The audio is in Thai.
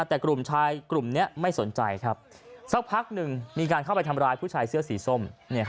แต่กลุ่มชายกลุ่มนี้ไม่สนใจครับสักพักหนึ่งมีการเข้าไปทำร้ายผู้ชายเสื้อสีส้ม